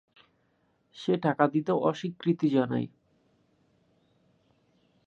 সে টাকা দিতে অস্বীকৃতি জানায়।